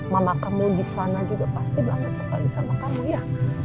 mama kamu di sana juga pasti bangga sekali sama kamu ya